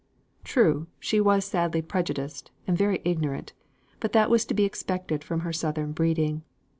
True, she was sadly prejudiced, and very ignorant; but that was to be expected from her southern breeding.